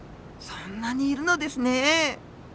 そんなにいるのですね。